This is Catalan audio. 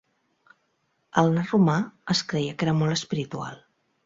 El nas romà es creia que era molt espiritual.